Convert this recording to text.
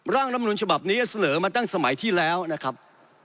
ร่างรัฐมนุนฉบับนี้เสนอมาตั้งสมัยที่แล้วนะครับ